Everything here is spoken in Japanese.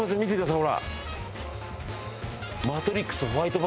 ほら！